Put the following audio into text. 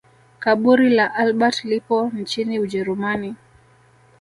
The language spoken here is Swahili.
Kaburi la Albert lipo nchini Ujerumani